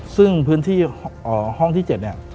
ซึ่งพื้นที่ห้องที่เจ็ด